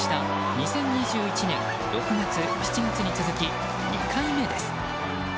２０２１年６月、７月に続き２回目です。